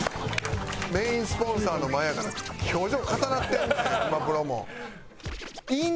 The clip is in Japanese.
メインスポンサーの前やから表情硬なってるで熊プロも。